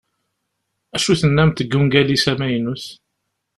Acu tennamt deg ungal-is amaynut?